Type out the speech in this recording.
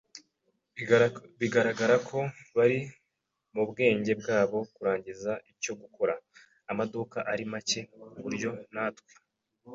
Bigaragara ko bari mubwenge bwabo kurangiza icyo gukora, amaduka ari make kuburyo natwe